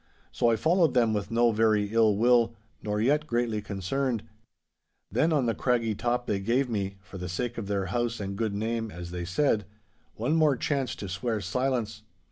So I followed them with no very ill will, nor yet greatly concerned. Then on the craggy top they gave me, for the sake of their house and good name (as they said), one more chance to swear silence.